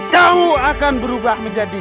kamu akan berubah menjadi